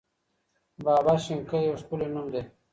بابا شینکیه یو ښکلی نوم دی.